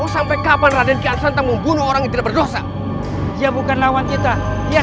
sampai jumpa di video selanjutnya